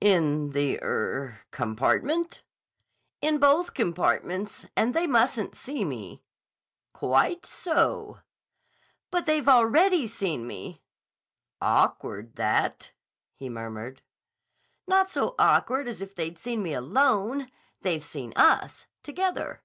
"In the—er—compartment?" "In both compartments. And they mustn't see me." "Quite so." "But they've already seen me." "Awkward, that," he murmured. "Not so awkward as if they'd seen me alone. They've seen us. Together."